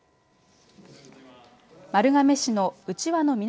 丸亀市のうちわの港